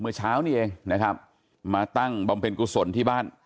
เมื่อเช้านี้เองนะครับมาตั้งบำเพ็ญกุศลที่บ้าน